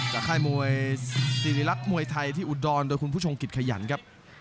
ค่ายมวยสิริรักษ์มวยไทยที่อุดรโดยคุณผู้ชมกิจขยันครับ